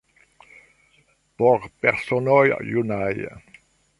Por personoj junaj!